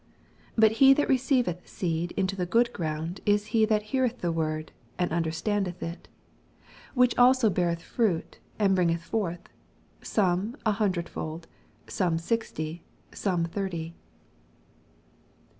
23 Bat he that received seed inU the good ground is he that heareth the word, and understandeth U ; whicli also heareth fruit, and briQg<»th forth, some an hundredfold, some sixty, some thirty.